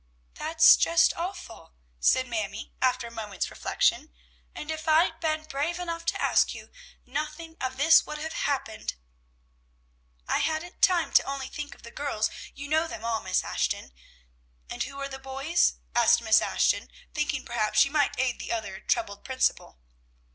"That's just awful," said Mamie, after a moment's reflection; "and if I'd been brave enough to ask you, nothing of this would have happened. "I hadn't time to think only of the girls you know them all, Miss Ashton!" "And who were the boys?" asked Miss Ashton, thinking perhaps she might aid the other troubled principal.